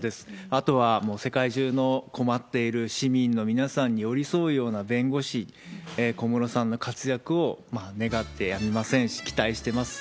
あとはもう、世界中の困っている市民の皆さんに寄り添うような弁護士、小室さんの活躍を願ってやみませんし、期待してます。